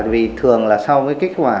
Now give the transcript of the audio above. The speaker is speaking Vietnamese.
vì thường là sau cái kết quả